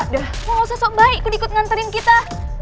gak usah sok baik gue ikut ngantriin kita